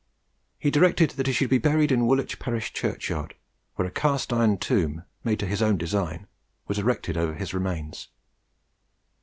He directed that he should be buried in Woolwich parish churchyard, where a cast iron tomb, made to his own design, was erected over his remains.